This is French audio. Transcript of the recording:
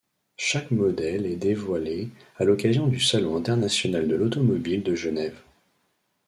Chaque modèle est dévoilé à l'occasion du Salon international de l'automobile de Genève.